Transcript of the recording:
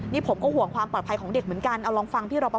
นี่ผมก็ห่วงความปลอดภัยของเด็กเหมือนกันเอาลองฟังพี่รอปภ